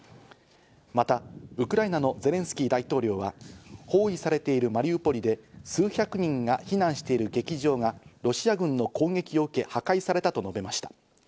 またウクライナのゼレンスキー大統領は包囲されているマリウポリで数百人が避難している劇場がロシア軍の攻撃を受け、破壊されたと述べました。